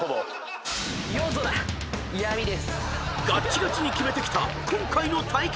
［ガッチガチに決めてきた今回の対決］